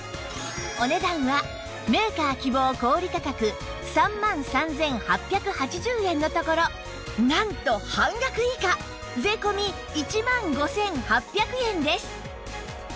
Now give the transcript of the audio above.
お値段はメーカー希望小売価格３万３８８０円のところなんと半額以下税込１万５８００円です